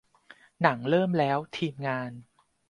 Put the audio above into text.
หนังเริ่มแล้ว ทีมงาน